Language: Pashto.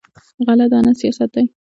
غله دانه سیاست دی.